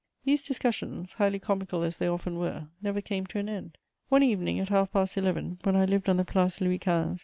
These discussions, highly comical as they often were, never came to an end: one evening, at half past eleven, when I lived on the Place Louis XV.